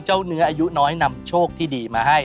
เนื้ออายุน้อยนำโชคที่ดีมาให้